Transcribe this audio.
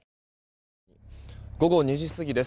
午後２時過ぎです。